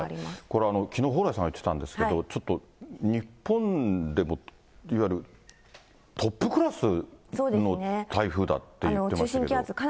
これ、きのう、蓬莱さんが言ってたんですけど、ちょっと日本でも、いわゆるトップクラスの台風だって言ってましたけど。